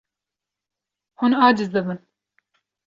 Hûn aciz dibin.